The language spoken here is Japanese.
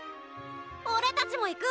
オレたちも行く！